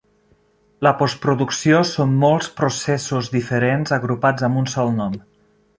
La postproducció són molts processos diferents agrupats amb un sol nom.